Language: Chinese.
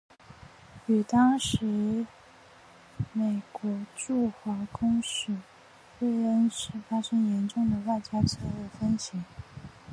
与当时美国驻华公使芮恩施发生严重的外交策略分歧。